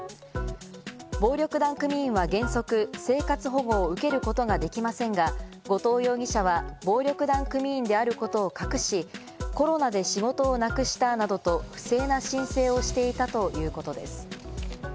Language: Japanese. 暴力団組員は原則、生活保護を受けることができませんが、後藤容疑者は暴力団組員であることを隠し、コロナで仕事をなくしたなどと、不正な申請をしていたということです。